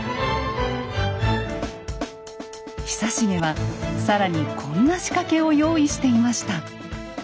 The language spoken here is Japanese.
久重は更にこんな仕掛けを用意していました。